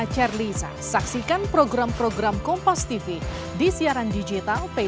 kalau pada insuransi gimana pak